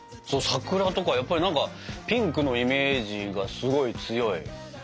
そうさくらとかやっぱり何かピンクのイメージがすごい強い。